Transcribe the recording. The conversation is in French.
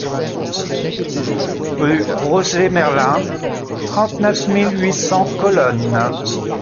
Rue Roger Merlin, trente-neuf mille huit cents Colonne